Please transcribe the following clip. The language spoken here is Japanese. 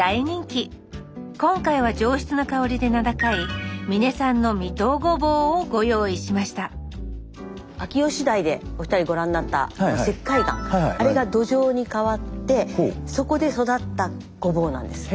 今回は上質な香りで名高い美祢産の美東ごぼうをご用意しました秋吉台でお二人ご覧になった石灰岩あれが土壌に変わってそこで育ったごぼうなんです。